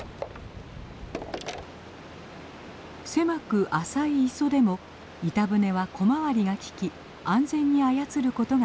狭く浅い磯でも板舟は小回りが利き安全に操ることができます。